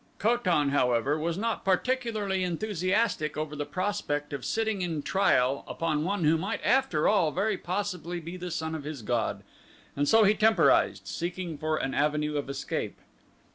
Ko tan, however, was not particularly enthusiastic over the prospect of sitting in trial upon one who might after all very possibly be the son of his god, and so he temporized, seeking for an avenue of escape.